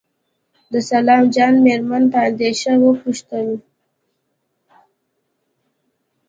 د سلام جان مېرمن په اندېښنه وپوښتل.